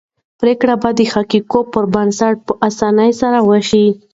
پرېکړه به د حقایقو پر بنسټ په اسانۍ سره وشي.